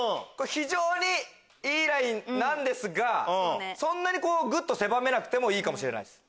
非常にいいラインなんですがそんなにグッと狭めなくてもいいかもしれないです。